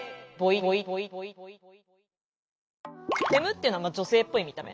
フェムっていうのは女性っぽい見た目。